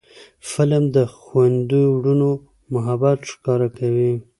فلم د خویندو ورونو محبت ښکاره کوي